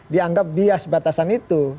dianggap bias batasan itu